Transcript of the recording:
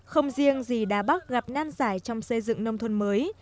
không riêng gì đà bắc gặp năn giải trong xây dựng nông thuần mới